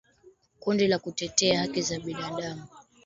Kundi la kutetea haki za binadamu